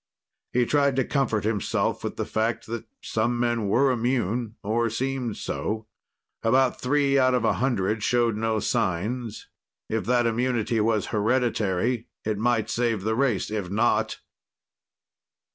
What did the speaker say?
He tried to comfort himself with the fact that some men were immune, or seemed so; about three out of a hundred showed no signs. If that immunity was hereditary, it might save the race. If not....